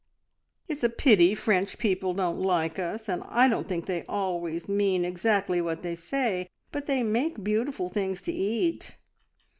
It's a pity French people don't like us, and I don't think they always mean exactly what they say, but they make beautiful things to eat.